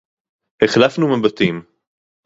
הֶחֱלַפְנוּ מַבָּטִים.